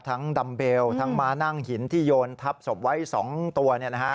ทั้งดำเบลทั้งมานั่งหินที่โยนทับสบไว้๒ตัว